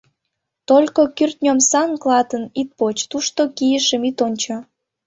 Только кӱртньӧ омсан клатым ит поч, тушто кийышым ит ончо.